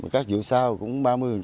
các vụ sau cũng ba mươi